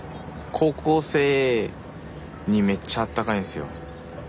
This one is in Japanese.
高校生にめっちゃ温かいんすよ。